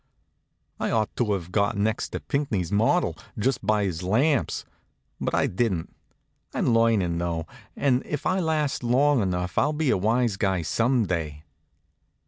I ought to have got next to Pinckney's model, just by his lamps; but I didn't. I'm learnin', though, and if I last long enough I'll be a wise guy some day.